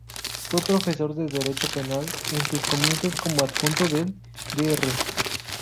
Fue profesor de Derecho Penal, en sus comienzos como adjunto del Dr.